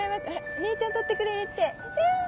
お姉ちゃん撮ってくれるって。